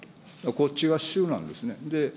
こっちが主なんですね。